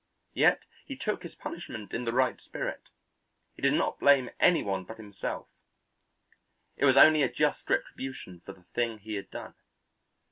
Yet he took his punishment in the right spirit. He did not blame any one but himself; it was only a just retribution for the thing he had done.